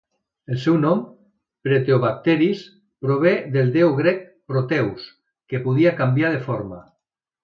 El seu nom, proteobacteris, prové del Déu grec Proteus, que podia canviar de forma.